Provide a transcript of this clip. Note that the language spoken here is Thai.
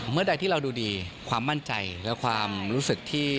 เมื่อใดที่เราดูดีความมั่นใจและความรู้สึกที่